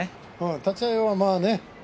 立ち合いはね。